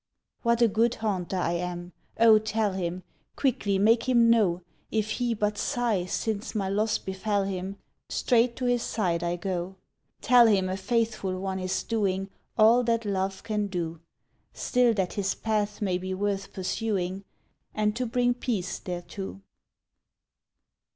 What a good haunter I am, O tell him, Quickly make him know If he but sigh since my loss befell him Straight to his side I go. Tell him a faithful one is doing All that love can do Still that his path may be worth pursuing, And to bring peace thereto.